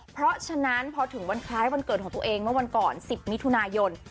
เพราะฉะนั้นพอถึงวันคล้ายวันเกิดของตัวเองเมื่อวันก่อน๑๐มิถุนายน